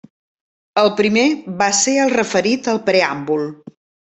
El primer va ser el referit al preàmbul.